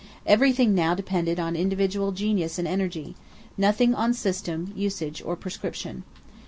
Everything now depended on individual genius and energy; nothing on system, usage, or prescription.